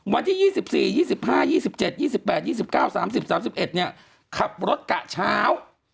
วันที่๒๔๒๕๒๗๒๘๒๙๓๐๓๑ขับรถกะเช้า